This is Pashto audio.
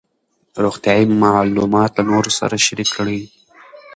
روغتیایي معلومات له نورو سره شریک کړئ.